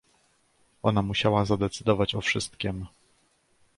"Ona musiała zadecydować o wszystkiem."